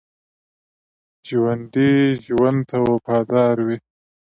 ژوندي ژوند ته وفادار وي